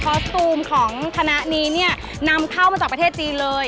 พอสตูมของคณะนี้เนี่ยนำเข้ามาจากประเทศจีนเลย